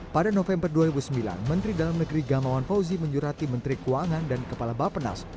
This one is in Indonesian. pada november dua ribu sembilan menteri dalam negeri gamawan fauzi menyurati menteri keuangan dan kepala bapenas